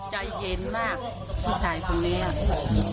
ใจเย็นมากผู้ชายคนนี้